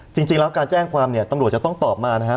จริงแล้วการแจ้งความเนี่ยตำรวจจะต้องตอบมานะครับ